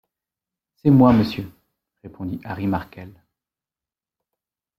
C’est moi, monsieur », répondit Harry Markel.